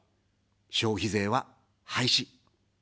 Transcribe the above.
消費税は廃止。